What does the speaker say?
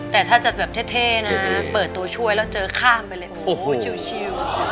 แต่ถ้าจะแบบเท่นะเปิดตัวช่วยแล้วเจอข้ามไปเลยโอ้โหชิล